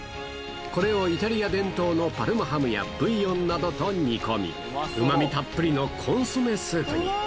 これをイタリア伝統のパルマハムやブイヨンなどと煮込み、うまみたっぷりのコンソメスープに。